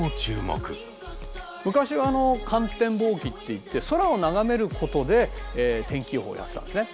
昔は観天望気っていって空を眺めることで天気予報やってたんですね。